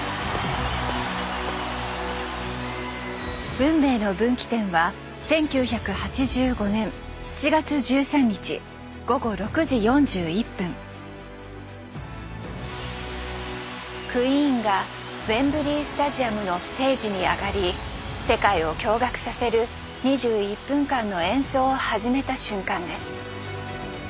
運命の分岐点はクイーンがウェンブリースタジアムのステージに上がり世界を驚がくさせる２１分間の演奏を始めた瞬間です。